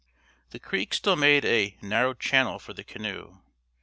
The creek still made a narrow channel for the canoe.